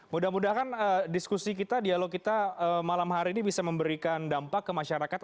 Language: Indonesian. mudah mudahan diskusi kita dialog kita malam hari ini bisa memberikan dampak ke masyarakat